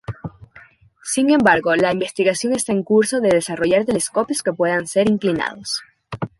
Sin embargo, la investigación está en curso de desarrollar telescopios que puedan ser inclinados.